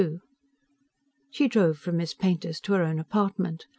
XXXII She drove from Miss Painter's to her own apartment.